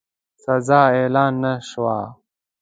سزا اعلان نه شوه.